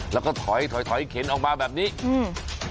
แล้วก็ถอยถอยถอยถอยเข็นออกมาแบบนี้อืม